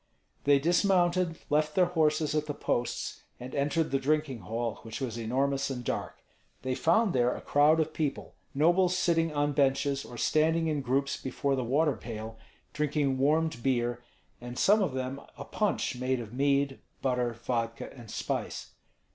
They dismounted, left their horses at the posts, and entered the drinking hall, which was enormous and dark. They found there a crowd of people, nobles sitting on benches or standing in groups before the water pail, drinking warmed beer, and some of them a punch made of mead, butter, vudka, and spice.